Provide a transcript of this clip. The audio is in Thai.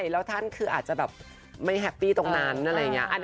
แล้วท่านคืออาจจะแบบไม่แฮปปี้ตรงนั้นอะไรอย่างนี้